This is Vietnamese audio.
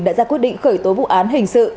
đã ra quyết định khởi tố vụ án hình sự